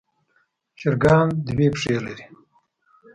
چرګان دوه پښې لري.